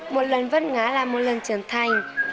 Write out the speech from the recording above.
một lần vất ngã là một lần trưởng thành